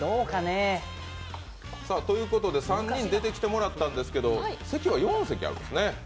３人出てきてもらったんですけど、席は４席あるんですね。